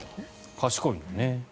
賢いんだよね。